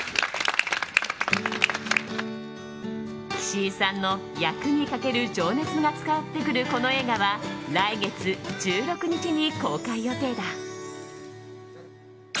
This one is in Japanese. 岸井さんの役にかける情熱が伝わってくる、この映画は来月１６日に公開予定だ。